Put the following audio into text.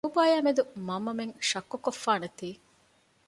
ލޫބާޔާމެދު މަންމަމެން ޝައްކުކޮށްފާނެތީ